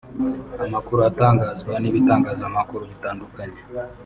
Amakuru atangazwa n’ibitangazamakuru bitandukanye